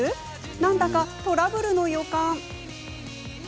なんだか、トラブルの予感。